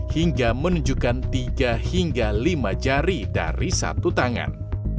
hingga menunjukkan tiga hingga lima jari dari satu tangan